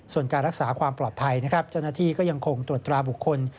ส่วนการรักษาความปลอดภัยนะครับเจ้าหน้าที่ก็ยังคงตรวจตราบุคคล